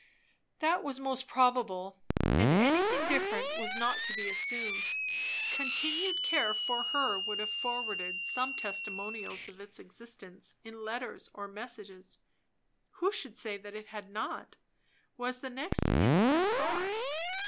That was most probable, and anything different was not to be assumed. Continued care for her would have forwarded some testimonials of its existence, in letters or messages. Who should say that it had not? was the next instant thought.